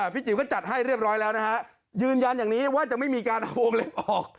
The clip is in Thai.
จิ๋วก็จัดให้เรียบร้อยแล้วนะฮะยืนยันอย่างนี้ว่าจะไม่มีการเอาวงเล็บออก